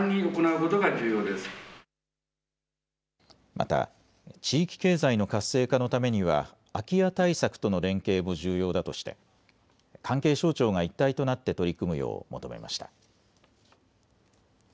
また地域経済の活性化のためには空き家対策との連携も重要だとして関係省庁が一体となって取り組むよう、求めました。